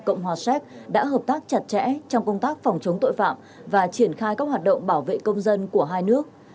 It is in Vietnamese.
cộng hòa séc đã hợp tác chặt chẽ trong công tác phòng chống tội phạm và triển khai các hoạt động bảo vệ công dân của hai nước